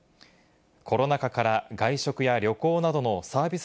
コロナ禍から外食や旅行などのサービス